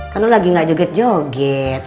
kan lu lagi gak joget joget